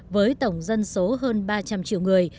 với tổng dân số hơn ba trăm linh triệu người